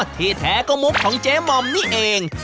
ที่แท้ก็มุกของเจ๊มอมนี่เอง